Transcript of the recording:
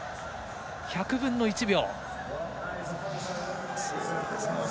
１００分の１秒。